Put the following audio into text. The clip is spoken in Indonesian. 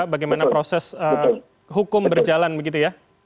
bagaimana proses hukum berjalan begitu ya